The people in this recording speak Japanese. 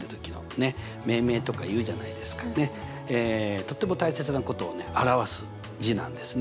とっても大切なことを表す字なんですね。